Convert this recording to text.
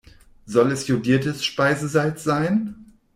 Soll es jodiertes Speisesalz sein?